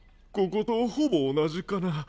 こことほぼ同じかな。